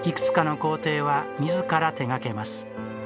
いくつかの工程はみずから手がけます。